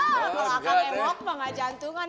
kalau akan emok emang gak jantungan